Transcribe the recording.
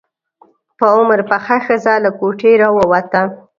په عمر پخه ښځه له کوټې راووته.